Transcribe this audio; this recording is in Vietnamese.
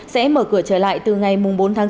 sẽ mở cửa trở lại từ ngày bốn tháng bốn